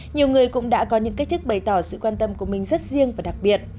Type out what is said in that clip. nhiều người cũng đã có những cách thức bày tỏ sự quan tâm của mình rất riêng và đặc biệt